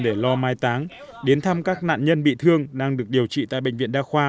để lo mai táng đến thăm các nạn nhân bị thương đang được điều trị tại bệnh viện đa khoa